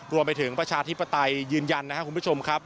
ประชาธิปไตยยืนยันนะครับคุณผู้ชมครับ